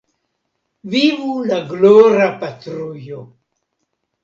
Vivu la glora patrujo!